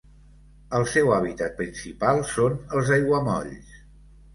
El seu hàbitat principal són els aiguamolls.